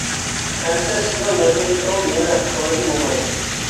-ئەمىسە سىزنىڭ مەسئۇلىيىتىڭىز نېمە؟ -سورىدى موماي.